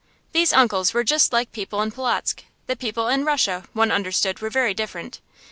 These uncles were just like people in Polotzk; the people in Russia, one understood, were very different.